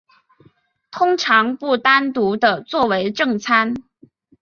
通常不单独地作为正餐。